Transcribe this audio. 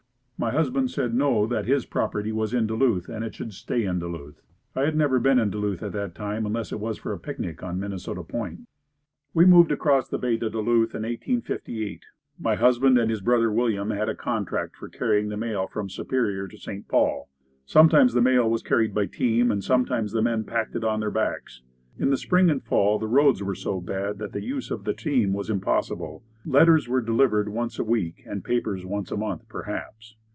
My husband said "No that his property was in Duluth and it should stay in Duluth." I had never been in Duluth at that time unless it was for a picnic on Minnesota Point. We moved across the bay to Duluth in 1858. My husband and his brother William had a contract for carrying the mail from Superior to St. Paul. Sometimes the mail was carried by team and sometimes the men packed it on their backs. In the spring and fall the roads were so bad that the use of the team was impossible. Letters were delivered once a week and papers once a month, perhaps.